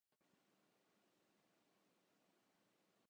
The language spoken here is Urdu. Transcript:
سوئی میں دھاگہ ڈالو۔